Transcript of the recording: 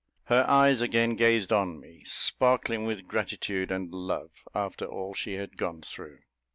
Her eyes again gazed on me, sparkling with gratitude and love, after all she had gone through.